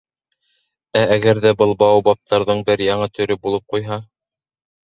Ә әгәр ҙә был баобабтарҙың бер яңы төрө булып ҡуйһа?